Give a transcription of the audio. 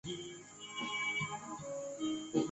他在十二个孩子中排第七。